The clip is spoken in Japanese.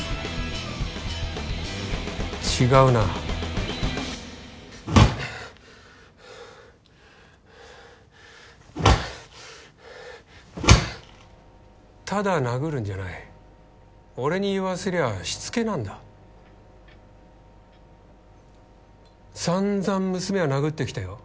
違うなただ殴るんじゃない俺に言わせりゃしつけなんだ散々娘は殴ってきたよ